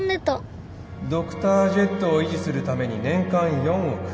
ドクタージェットを維持するために年間４億